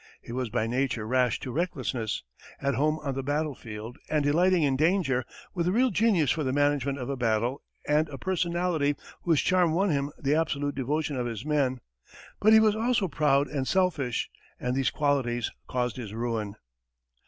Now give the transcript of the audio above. He was by nature rash to recklessness, at home on the battlefield and delighting in danger, with a real genius for the management of a battle and a personality whose charm won him the absolute devotion of his men. But he was also proud and selfish, and these qualities caused his ruin.